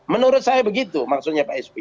menurut saya begitu maksudnya pak sp